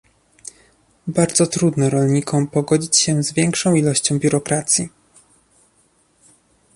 Bardzo trudno rolnikom pogodzić się z większą ilością biurokracji